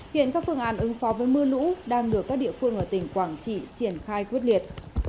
hiện các phương án ứng phó với mưa lũ đang được các địa phương ở tỉnh quảng trị triển khai quyết liệt